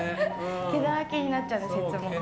毛だらけになっちゃうんです。